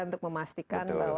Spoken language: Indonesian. untuk memastikan bahwa